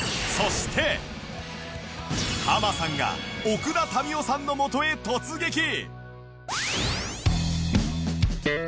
ハマさんが奥田民生さんのもとへ突撃！